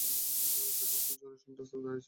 কাজেই সে ঝড়ের সময় রাস্তায় দাঁড়িয়ে ছিল।